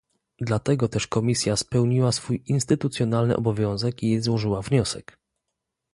Dlatego też Komisja spełniła swój instytucjonalny obowiązek i złożyła wniosek